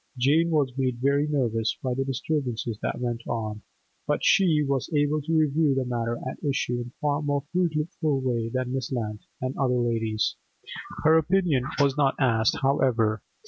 Jane was made very nervous by the disturbances that went on, but she was able to review the matter at issue in a far more fruitful way than Miss Lant and the other ladies. Her opinion was not asked, however.